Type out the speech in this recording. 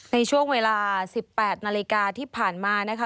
ในช่วงเวลา๑๘นาฬิกาที่ผ่านมานะคะ